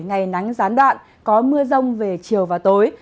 ngày nắng gián đoạn có mưa rông về chiều và tối